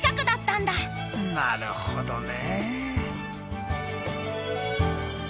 なるほどね。